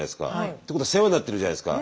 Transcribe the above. ってことは世話になってるじゃないですか。